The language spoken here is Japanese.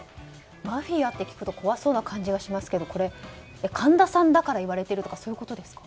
マフィアって聞くと怖そうな感じがしますがこれ、神田さんだから言われているとかそういうことですか？